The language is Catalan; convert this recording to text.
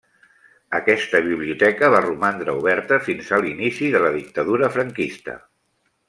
Aquesta biblioteca va romandre oberta fins a l'inici de la dictadura franquista.